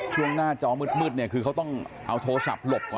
ช่วงหน้าจอมืดเนี่ยคือเขาต้องเอาโทรศัพท์หลบก่อน